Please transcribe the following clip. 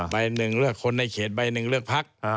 ใบหนึ่งเลือกคนในเขตใบหนึ่งเลือกพัก